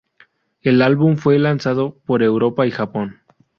El álbum fue lanzado por Europa y Japón.